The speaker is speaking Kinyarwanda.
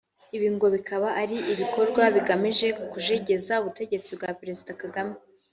Ibi ngo bikaba ari ibikorwa bigamije kujegeza ubutegetsi bwa Perezida Kagame